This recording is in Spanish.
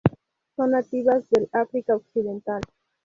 Son nativas del África occidental.